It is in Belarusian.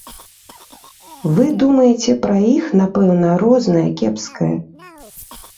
Вы думаеце, пра іх, напэўна, рознае, кепскае.